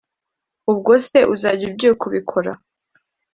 Ubwose uzajya ubyuka ubikora